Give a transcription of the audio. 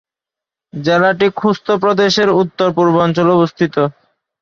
জেলাটি খোস্ত প্রদেশের উত্তর-পূর্ব অঞ্চলে অবস্থিত।